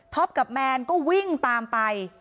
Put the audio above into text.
กับแมนก็วิ่งตามไป